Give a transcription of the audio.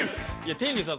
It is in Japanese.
天龍さん